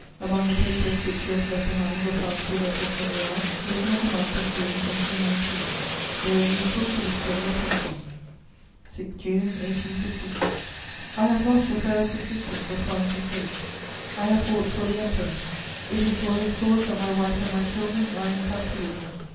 Among the papers which she has left behind were found two letters from Murat written in the month of June 1819; they are useful to the study of history: [Sidenote: Letters from Murat.] 6 June 1815. "I have lost the fairest existence for France's sake; I have fought for the Emperor; it is for his cause that my wife and my children are in captivity.